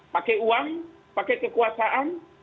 pakai uang pakai kekuasaan